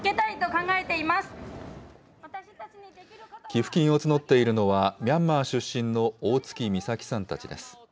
寄付金を募っているのは、ミャンマー出身の大槻美咲さんたちです。